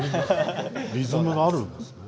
リズムがあるんですね。